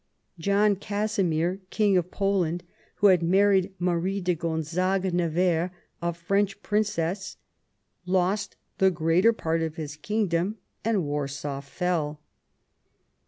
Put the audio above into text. John Casimir, King of Poland, who had married Marie de Gonzague Nevers, a French princess, lost the greater part of his kingdom, and Warsaw fell.